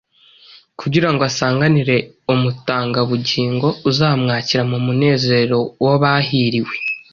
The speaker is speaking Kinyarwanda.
kugira ngo asanganire Umutangabugingo uzamwakira mu munezero w’abahiriwe.